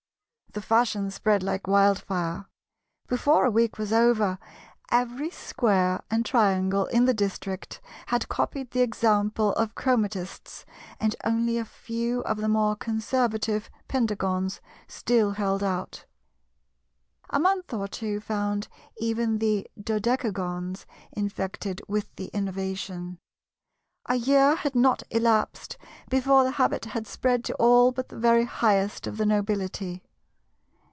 The fashion spread like wildfire. Before a week was over, every Square and Triangle in the district had copied the example of Chromatistes, and only a few of the more conservative Pentagons still held out. A month or two found even the Dodecagons infected with the innovation. A year had not elapsed before the habit had spread to all but the very highest of the Nobility.